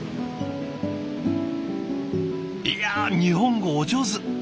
いや日本語お上手。